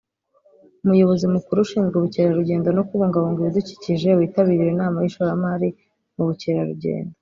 Umuyobozi Mukuru ushinzwe Ubukerarugendo no Kubungabunga Ibidukikije witabiriye iyo nama y’ishoramari mu bukerarugendo